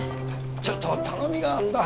ちょっと頼みがあるんだ。